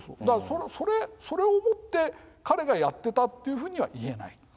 だからそれをもって彼がやってたっていうふうには言えない。